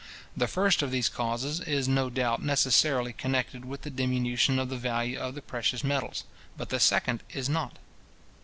The first of these causes is no doubt necessarily connected with the diminution of the value of the precious metals; but the second is not.